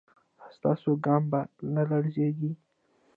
ایا ستاسو ګام به نه لړزیږي؟